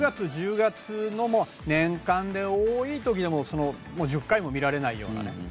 ９月１０月のも年間で多いときでもその１０回も見られないようなね。